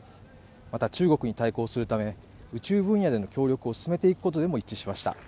また中国に対抗するため宇宙分野での協力を進めていくことでも一致しました